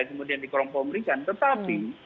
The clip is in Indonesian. tidak dikompromikan tetapi